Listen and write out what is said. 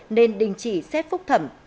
nên đình chỉ xét phúc thẩm